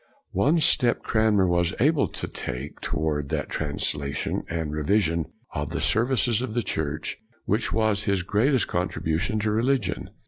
1 One step Cranmer was able to take to ward that translation and revision of the services of the Church which was his greatest contribution to religion.